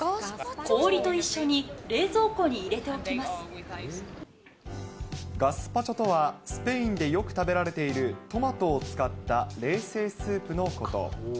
氷と一緒に冷蔵庫に入れておガスパチョとは、スペインでよく食べられているトマトを使った冷製スープのこと。